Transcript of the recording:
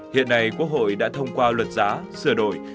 hiện nay quốc hội đã thông qua luật giá sửa đổi